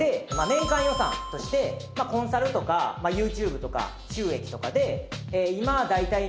年間予算としてコンサルとかＹｏｕＴｕｂｅとか収益とかで今だいたい。